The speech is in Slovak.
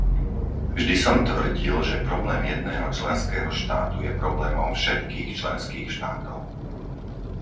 Vždy som tvrdil, že problém jedného členského štátu je problémom všetkých členských štátov.